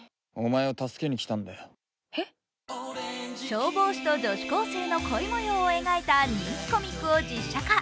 消防士と女子高生の恋もようを描いた人気コミックを実写化。